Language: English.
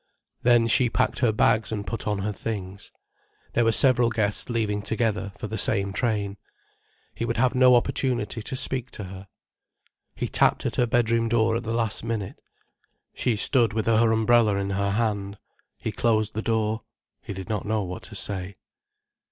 Then she packed her bag and put on her things. There were several guests leaving together, for the same train. He would have no opportunity to speak to her. He tapped at her bedroom door at the last minute. She stood with her umbrella in her hand. He closed the door. He did not know what to say.